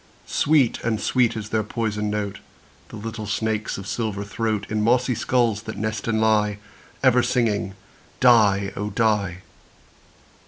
Sweet and sweet is their poisoned note, The little snakes' of silver throat, In mossy skulls that nest and lie, Ever singing "die, oh! die."